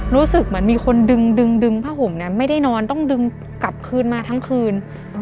รู้สึกเหมือนมีคนดึงดึงผ้าห่มเนี่ยไม่ได้นอนต้องดึงกลับคืนมาทั้งคืน